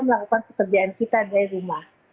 melakukan pekerjaan kita dari rumah